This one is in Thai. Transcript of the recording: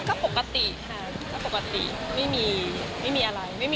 ก็ปกติไม่มีอะไรไม่มีอะไรเลย